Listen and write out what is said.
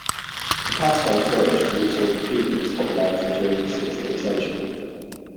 The pastime flourished, reaching the peak of its popularity during the sixteenth century.